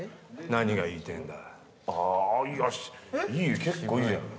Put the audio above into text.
「何が言いてぇんだ？」